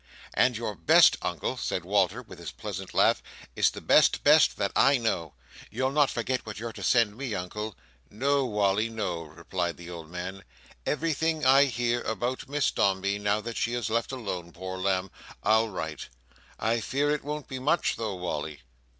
"And your best, Uncle," said Walter, with his pleasant laugh, "is the best best that I know. You'll not forget what you're to send me, Uncle?" "No, Wally, no," replied the old man; "everything I hear about Miss Dombey, now that she is left alone, poor lamb, I'll write. I fear it won't be much though, Wally."